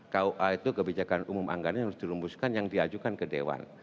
kua itu kebijakan umum anggaran yang harus dirumuskan yang diajukan ke dewan